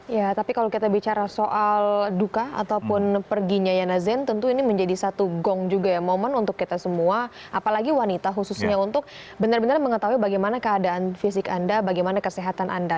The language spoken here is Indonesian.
ya tapi kalau kita bicara soal duka ataupun perginya yana zain tentu ini menjadi satu gong juga ya momen untuk kita semua apalagi wanita khususnya untuk benar benar mengetahui bagaimana keadaan fisik anda bagaimana kesehatan anda